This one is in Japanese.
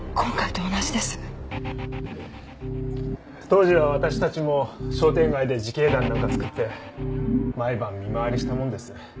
当時は私たちも商店街で自警団なんかつくって毎晩見回りしたもんです。